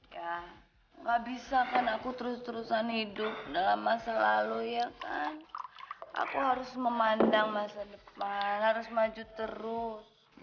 ya gak bisa kan aku terus terusan hidup dalam masa lalu ya kan aku harus memandang masa depan harus maju terus